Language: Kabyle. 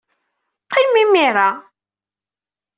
Qqim imir-a.